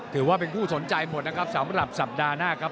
แต่ว่าเป็นคู่สนใจหมดสำหรับสัปดาห์หน้า